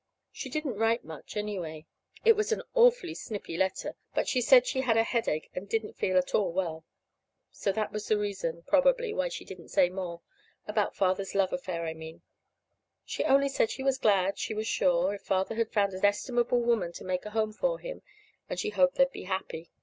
She didn't write much, anyway. It was an awfully snippy letter; but she said she had a headache and didn't feel at all well. So that was the reason, probably, why she didn't say more about Father's love affair, I mean. She only said she was glad, she was sure, if Father had found an estimable woman to make a home for him, and she hoped they'd be happy.